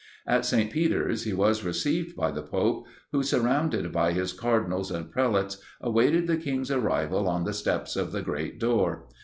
At St. Peter's he was received by the pope, who, surrounded by his cardinals and prelates, awaited the king's arrival on the steps of the great door.